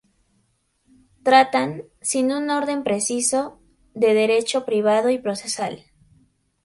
Tratan, sin un orden preciso, de derecho privado y procesal.